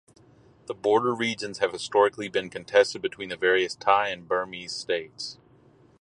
The border regions have historically been contested between the various Thai and Burmese states.